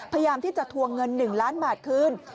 พยายามที่จะทวงเงินหนึ่งล้านบาทขึ้น